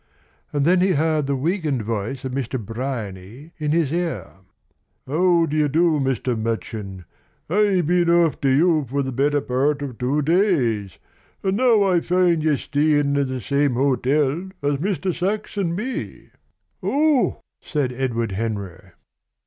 And then he heard the weakened voice of Mr. Bryany in his ear: "How d'ye do, Mr. Machin. I've been after you for the better part of two days, and now I find you're staying in the same hotel as Mr. Sachs and me!" "Oh!" said Edward Henry.